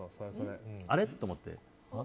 あれ？と思って。